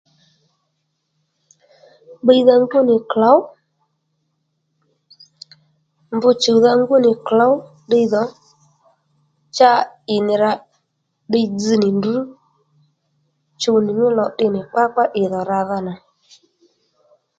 Bbiydha ngú nì klǒw, mb chùwdha ngú nì klǒw ddiydhò cha ì nì rǎ ddiy dzz nì ndrǔ chuw nì mí lò tdè nì kpákpá ì dhò ràdha nà